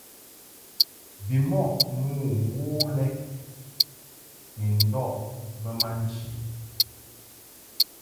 Bimɔʼ mo wo lɛ ni ndɔʼ bə ma nchi.